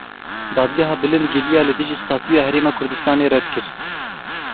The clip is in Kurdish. Dadgeha Bilind giliya li dijî statuya Herêma Kurdistanê red kir.